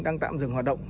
đang tạm dừng hoạt động